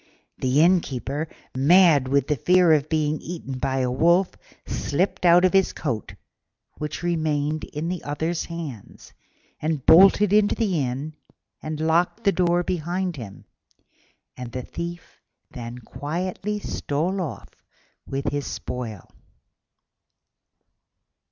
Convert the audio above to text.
The Innkeeper, mad with the fear of being eaten by a wolf, slipped out of his coat, which remained in the other's hands, and bolted into the inn and locked the door behind him; and the Thief then quietly stole off with his spoil.